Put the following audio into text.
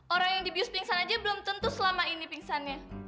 orang yang dipius pingsan aja belum tentu selama ini pingsannya